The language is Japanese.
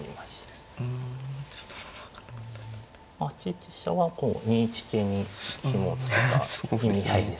８一飛車はこう２一桂にひもを付けた意味合いですよね。